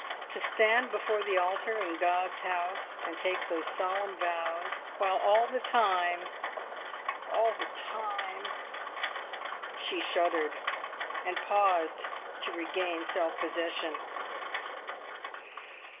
To stand before the altar in God's house and take those solemn vows, while all the time all the time " She shuddered, and paused to regain self possession.